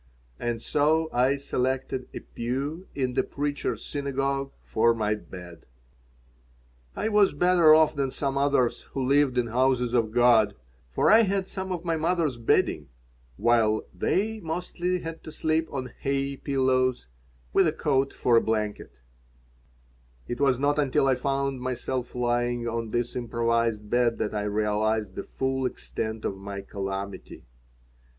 And so I selected a pew in the Preacher's Synagogue for my bed. I was better off than some others who lived in houses of God, for I had some of my mother's bedding while they mostly had to sleep on hay pillows with a coat for a blanket It was not until I found myself lying on this improvised bed that I realized the full extent of my calamity.